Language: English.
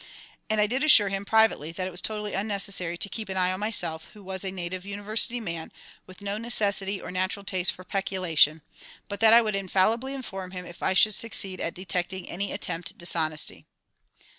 And I did assure him, privately, that it was totally unnecessary to keep an eye on myself, who was a native University man with no necessity or natural taste for peculation, but that I would infallibly inform him if I should succeed at detecting any attempted dishonesty.